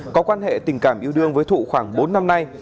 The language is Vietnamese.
có quan hệ tình cảm yêu đương với thụ khoảng bốn năm nay